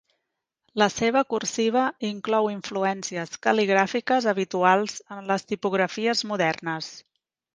La seva cursiva inclou influències cal·ligràfiques habituals en les tipografies modernes.